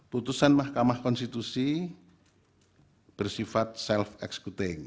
putusan mahkamah konstitusi bersifat self executing